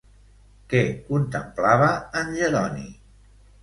Què contemplava en Jeroni?